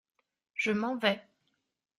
Je m’en vais.